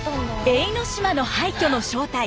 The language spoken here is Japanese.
永ノ島の廃虚の正体